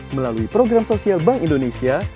melalui program sosial bank indonesia